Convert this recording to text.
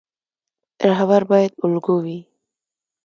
رهبر باید الګو وي